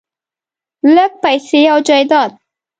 لکه پیسې او جایداد .